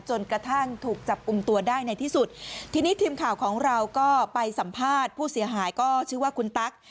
จนกระทั่งถูกจับกลุ่มตัวได้ในที่สุดทีนี้ทีมข่าวของเราก็ไปสัมภาษณ์ผู้เสียหายก็ชื่อว่าคุณตั๊ก